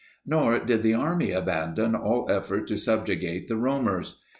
Nor did the Army abandon all effort to subjugate the roamers.